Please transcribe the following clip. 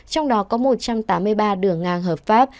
trong đó có một trăm tám mươi ba đường ngang hợp pháp